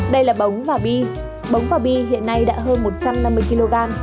đây là bóng và bi bóng và bi hiện nay đã hơn một trăm năm mươi kg